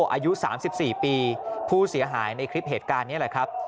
อายุ๓๔ปีผู้เสียหายในคลิปเหตุการณ์นี้แหละครับ